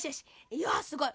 いやすごい！